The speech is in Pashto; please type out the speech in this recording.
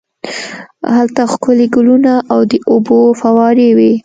هلته ښکلي ګلونه او د اوبو فوارې وې.